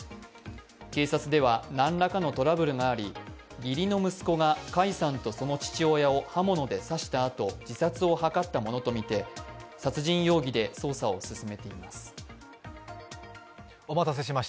警察では何らかのトラブルがあり義理の息子が甲斐さんとその父親を刃物で刺したあと自殺を図ったものとみて、殺人容疑で捜査を進めています。